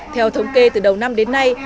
theo thống kê từ đầu năm đến nay